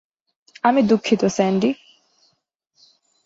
আমি দুঃখিত স্যান্ডি।